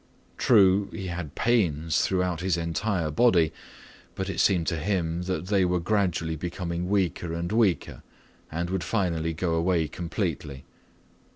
True, he had pains throughout his entire body, but it seemed to him that they were gradually becoming weaker and weaker and would finally go away completely.